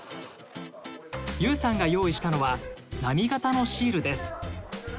結有さんが用意したのは波形のシールです。